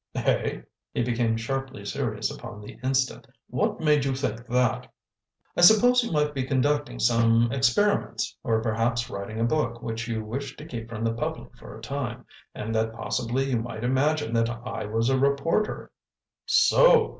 "Eh?" He became sharply serious upon the instant. "What made you think that?" "I supposed you might be conducting some experiments, or perhaps writing a book which you wished to keep from the public for a time, and that possibly you might imagine that I was a reporter." "So!